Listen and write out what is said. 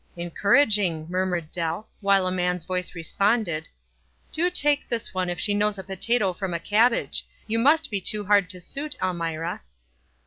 " "Encouraging," murmured Dell. While a man's voice responded, — "Do take this one if she knows a potato from a cabbage. You must be too hard to suit, EU mira."